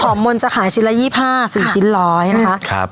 หอมมนต์จะขายชิ้นละ๒๕สิบชิ้นร้อยนะฮะครับ